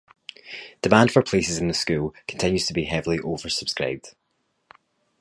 Demand for places in the school continues to be heavily oversubscribed.